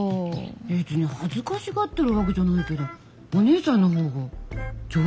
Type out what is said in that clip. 別に恥ずかしがってるわけじゃないけどお姉さんの方が上手でしょ。